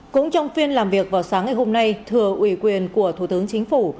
cũng trong phiên làm việc vào sáng ngày hôm nay thừa ủy quyền của thủ tướng chính phủ